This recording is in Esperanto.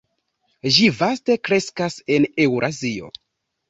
Ĝi vaste kreskas en Eŭrazio.